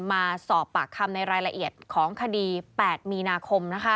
มาสอบปากคำในรายละเอียดของคดี๘มีนาคม